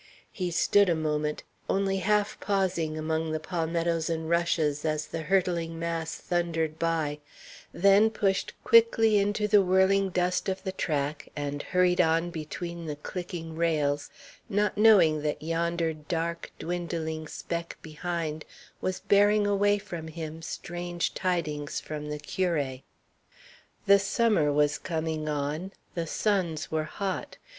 He stood a moment, only half pausing among the palmettos and rushes as the hurtling mass thundered by; then pushed quickly into the whirling dust of the track and hurried on between the clicking rails, not knowing that yonder dark, dwindling speck behind was bearing away from him strange tidings from the curé. The summer was coming on; the suns were hot.